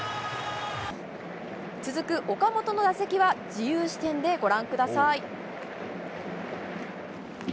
続く岡本の打席は、自由視点でご覧ください。